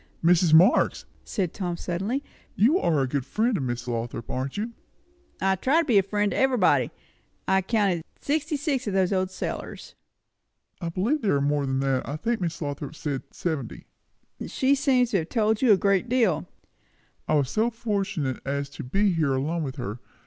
"Mrs. Marx," said Tom suddenly, "you are a good friend of Miss Lothrop, aren't you?" "Try to be a friend to everybody. I've counted sixty six o' these old cellars!" "I believe there are more than that. I think Miss Lothrop said seventy." "She seems to have told you a good deal." "I was so fortunate as to be here alone with her.